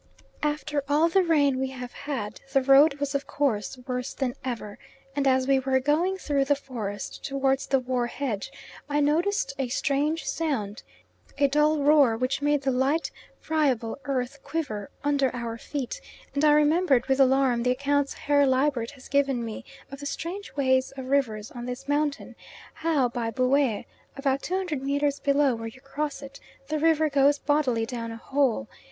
After all the rain we have had, the road was of course worse than ever, and as we were going through the forest towards the war hedge, I noticed a strange sound, a dull roar which made the light friable earth quiver under our feet, and I remembered with alarm the accounts Herr Liebert has given me of the strange ways of rivers on this mountain; how by Buea, about 200 metres below where you cross it, the river goes bodily down a hole.